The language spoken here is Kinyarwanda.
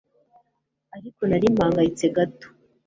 ariko nari mpangayitse gato